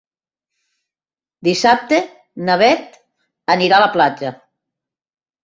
Dissabte na Bet anirà a la platja.